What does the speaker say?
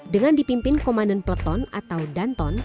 dengan dipimpin komandan peleton atau danton